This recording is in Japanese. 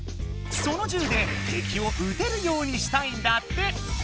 そのじゅうで敵をうてるようにしたいんだって。